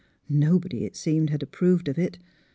Nobody, it seemed, had approved of it.